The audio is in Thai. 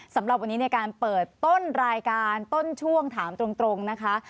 สำหรับวันนี้ในการเปิดต้นรายการต้นช่วงถามตรงนะคะ